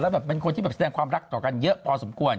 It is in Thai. แบบเป็นคนที่แบบแสดงความรักต่อกันเยอะพอสมควร